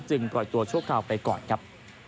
ปล่อยตัวชั่วคราวไปก่อนครับ